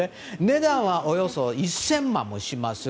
値段はおよそ１０００万もします。